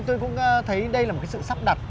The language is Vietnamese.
tôi cũng thấy đây là một sự sắp đặt